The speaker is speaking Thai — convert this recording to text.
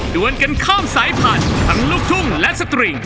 ด้วยกันข้ามสายผ่านทั้งลูกทุ่งและสตริง